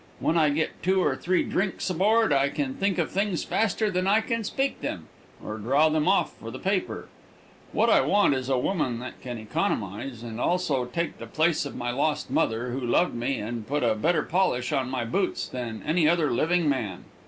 When I get two or three drinks aboard I can think of things faster than I can speak them, or draw them off for the paper. What I want is a woman that can economize, and also take the place of my lost mother, who loved me and put a better polish on my boots than any other living man.